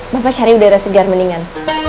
bapak cari udara segar mendingan